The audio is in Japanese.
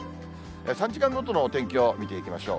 ３時間ごとのお天気を見ていきましょう。